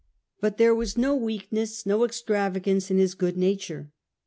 But there was no weakness, no extravagance in this goodnature.